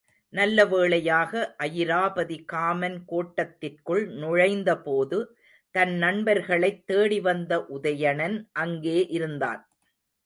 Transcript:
நல்ல வேளையாக அயிராபதி காமன் கோட்டத்திற்குள் நுழைந்த போது, தன் நண்பர்களைத் தேடி வந்த உதயணன் அங்கே இருந்தான்.